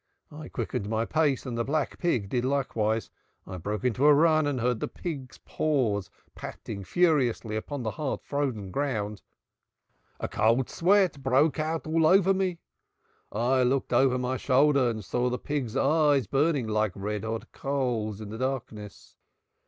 I quickened my pace and the black pig did likewise. I broke into a run and I heard the pig's paws patting furiously upon the hard frozen ground. A cold sweat broke out all over me. I looked over my shoulder and saw the pig's eyes burning like red hot coals in the darkness.